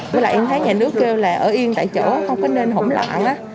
với lại em thấy nhà nước kêu là ở yên tại chỗ không có nên hỗn loạn đó